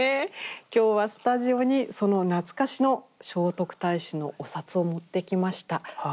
今日はスタジオにその懐かしの聖徳太子のお札を持ってきました。